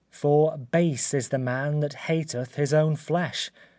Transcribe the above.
For base is the man that hateth his own flesh!